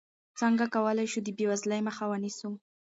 څنګه کولی شو د بېوزلۍ مخه ونیسو؟